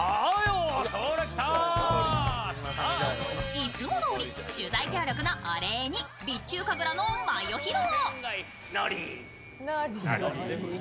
いつもどおり取材協力のお礼に備中神楽の舞いを披露。